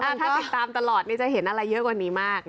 ถ้าติดตามตลอดจะเห็นอะไรเยอะกว่านี้มากนะ